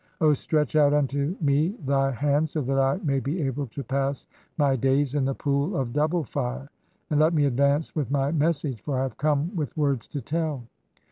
O stretch out unto me thv "hand so that I may be able to pass my days in the Pool of "Double Fire, and (4) let me advance with my message, for I "have come with words to tell.